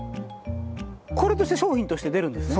これとして商品として出るんですね。